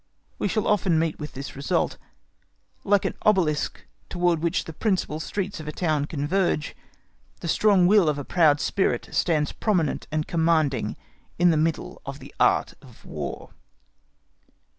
We shall often meet with this result. Like an obelisk towards which the principal streets of a town converge, the strong will of a proud spirit stands prominent and commanding in the middle of the Art of War.